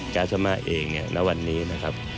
ก๊าซธรรมเองณวันนี้นะครับ